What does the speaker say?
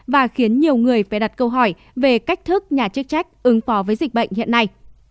và khiến nhiều người phải đặt câu hỏi về cách thức nhà chức trách ứng phó với dịch bệnh hiện nay